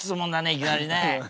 いきなりね。